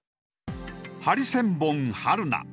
ハリセンボン春菜。